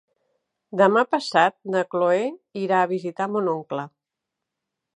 Demà passat na Cloè irà a visitar mon oncle.